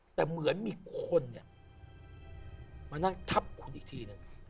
แต่เหมือนมีคนเนี่ยมานั่งทับคุณอีกทีนึง